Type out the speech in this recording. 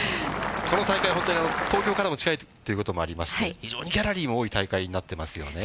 この大会、本当に東京からも近いということもありまして、非常にギャラリーも多い大会となっていますよね。